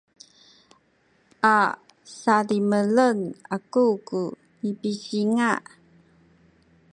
a sadimelen aku ku nipisinga’